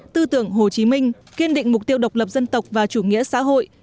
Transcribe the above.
tư tưởng hồ chí minh kiên định mục tiêu độc lập dân tộc và chủ nghĩa xã hội